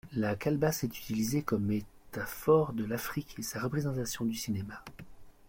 La calebasse est utilisée comme métaphore de l’Afrique et sa représentation du cinéma.